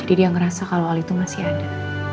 jadi dia ngerasa kalo al itu masih ada